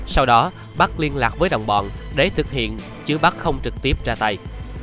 sau đó bắc liên lạc với đồng bọn để thực hiện chứ bắc không trực tiếp ra tay